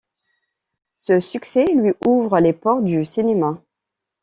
Ce succès lui ouvre les portes du cinéma.